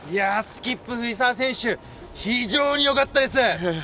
スキップ・藤澤選手、非常によかったです！